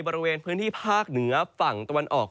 บริเวณพื้นที่ภาคเหนือฝั่งตะวันออก